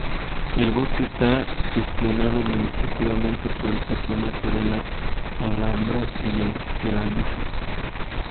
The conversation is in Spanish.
El bosque está gestionado administrativamente por el Patronato de la Alhambra y el Generalife.